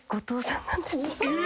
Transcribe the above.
・え！？